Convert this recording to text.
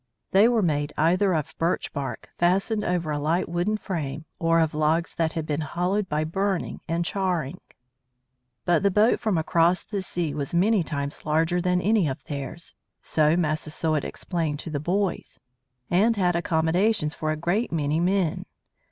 They were made either of birch bark fastened over a light wooden frame, or of logs that had been hollowed by burning and charring. [Illustration: INDIAN IN CANOE] But the boat from across the sea was many times larger than any of theirs so Massasoit explained to the boys and had accommodations for a great many men.